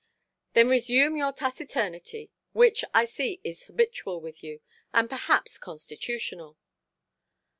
"Then resume your taciturnity, which I see is habitual with you, and perhaps constitutional".